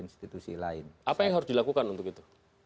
institusi lain apa yang harus dilakukan untuk itu